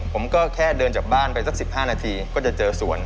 ผมก็แค่เดินจากบ้านไปสัก๑๕นาทีก็จะเจอส่วน